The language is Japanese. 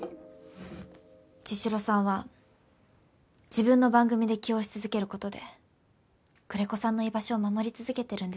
茅代さんは自分の番組で起用し続ける事で久連木さんの居場所を守り続けてるんですよね。